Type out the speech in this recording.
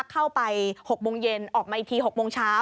เข้าไป๖โมงเย็นออกมาอีกที๖โมงเช้า